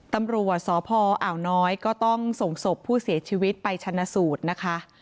ตำรวจสพอ่าวน้อยก็ต้องส่งศพผู้เสียชีวิตไปชนะสูตรนะคะ